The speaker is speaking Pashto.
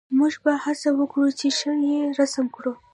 موږ به هڅه وکړو چې ښه یې رسم کړو